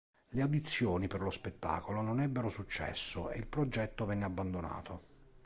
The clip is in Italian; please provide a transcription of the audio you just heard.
Le audizioni per lo spettacolo non ebbero successo e il progetto venne abbandonato.